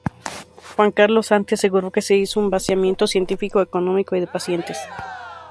Juan Carlos Santi, aseguró que se hizo "un vaciamiento científico, económico y de pacientes".